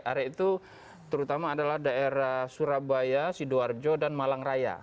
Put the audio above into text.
area itu terutama adalah daerah surabaya sidoarjo dan malang raya